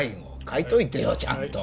書いといてよちゃんと。